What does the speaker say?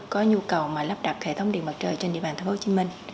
có nhu cầu mà lắp đặt hệ thống điện mặt trời trên địa bàn tp hcm